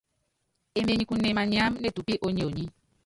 Emenykune maniám ne tupí ó nionyí.